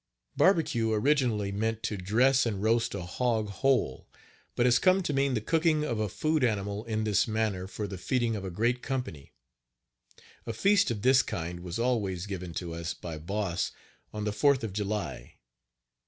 Barbecue originally meant to dress and roast a hog whole, but has come to mean the cooking of a food animal in this manner for the feeding of a great company. A feast of this kind was always given to us, by Boss, on the 4th of July.